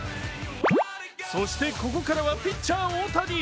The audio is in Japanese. そして、ここからはピッチャー・大谷。